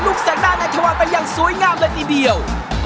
ลูกแสงหน้าในเทวาไปยังสวยงามเลยทีเดียว